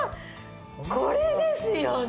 これですよね。